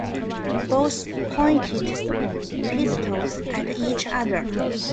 Both pointed pistols at each other.